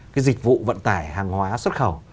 cái dịch vụ vận tải hàng hóa xuất khẩu